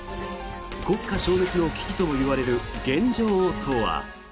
国家消滅の危機ともいわれる現状とは。